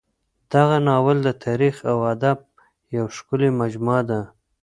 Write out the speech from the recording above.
دغه ناول د تاریخ او ادب یوه ښکلې مجموعه ده.